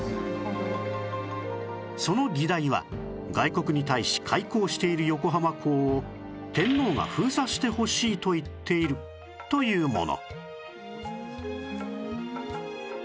その議題は外国に対し開港している横浜港を天皇が封鎖してほしいと言っているというもの